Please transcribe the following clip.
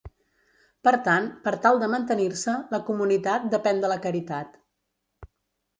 Per tant, per tal de mantenir-se, la comunitat depèn de la caritat.